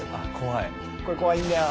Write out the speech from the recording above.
これ怖いんだよ。